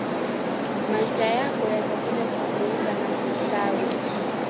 maisha yako yatakuja kubadilika na kustawi